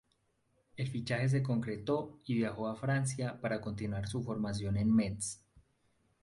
El fichaje se concretó y viajó a Francia para continuar su formación en Metz.